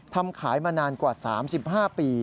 ทำขายมานานกว่า๓๕ปี